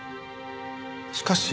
しかし。